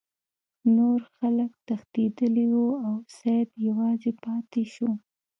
نور خلک تښتیدلي وو او سید یوازې پاتې شو.